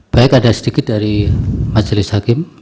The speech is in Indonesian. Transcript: baik ada sedikit dari majelis hakim